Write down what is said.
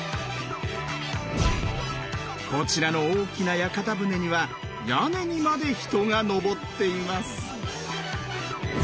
こちらの大きな屋形船には屋根にまで人が上っています。